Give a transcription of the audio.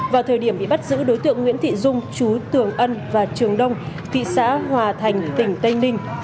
vào thời điểm bị bắt giữ đối tượng nguyễn thị dung chú tường ân và trường đông thị xã hòa thành tỉnh tây ninh